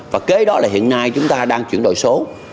và kế đó là hiện nay chúng ta đang chuyển đổi số